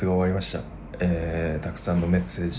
たくさんのメッセージ